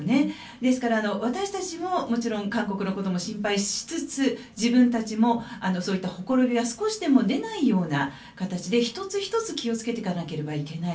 ですから、私たちももちろん韓国のことも心配しつつ自分たちもそういったほころびは少しでも出ないような形で１つ１つ気を付けていかなければいけない。